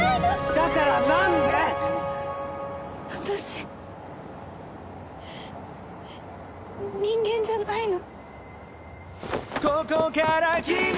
だから何で⁉私人間じゃないの。